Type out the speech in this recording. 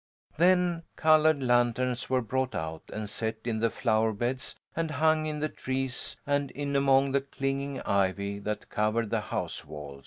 Then coloured lanterns were brought out and set in the flower beds and hung in the trees and in among the clinging ivy that covered the house wall.